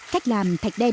cách làm thạch đen